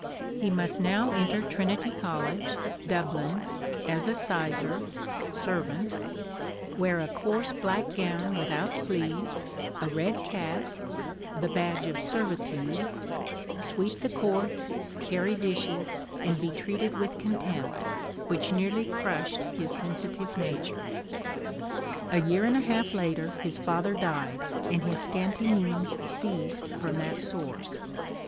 He must now enter Trinity College, Dublin, as a sizar (servant), wear a coarse black gown without sleeves, a red cap, the badge of servitude, sweep the courts, carry dishes, and be treated with contempt, which nearly crushed his sensitive nature. A year and a half later his father died, and his scanty means ceased from that source.